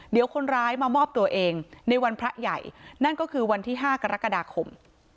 เดี๋ยวคนร้ายมามอบตัวเองในวันพระใหญ่นั่นก็คือวันที่๕กรกฎาคม